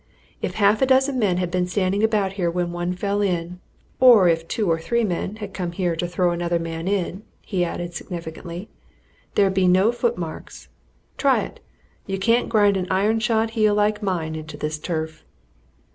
if half a dozen men had been standing about here when one fell in or if two or three men had come here to throw another man in," he added significantly, "there'd be no footmarks. Try it you can't grind an iron shod heel like mine into this turf."